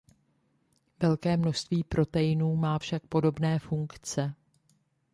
Velké množství proteinů má však podobné funkce.